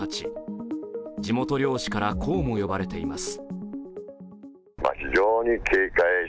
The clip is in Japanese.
地元漁師から、こうも呼ばれています。